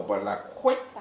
mà là khuếch tán